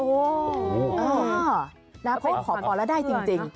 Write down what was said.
โอ้โหอ่าแล้วเพราะขอพรแล้วได้จริงจริง